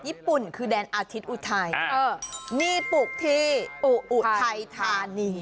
ญี่ปุ่นคือแดนอาทิตย์อุทัยนี่ปลูกที่อุทัยธานี